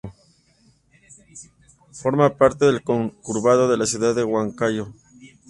Forma parte del conurbano de la ciudad de Huancayo.